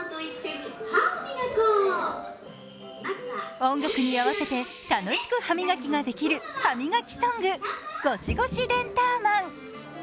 音楽に合わせて抱き敷く歯磨きができる歯磨きソング「ゴシゴシデンターマン」。